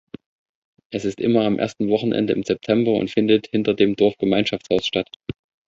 Es ist immer am ersten Wochenende im September und findet hinter dem Dorfgemeinschaftshaus statt.